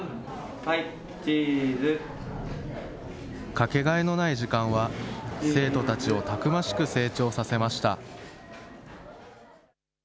掛けがえのない時間は、生徒たちをたくましく成長させました。